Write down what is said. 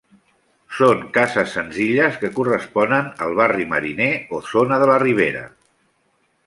Són cases senzilles que corresponen al barri mariner o zona de la Ribera.